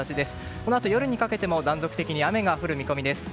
このあと夜にかけても断続的に雨が降る見込みです。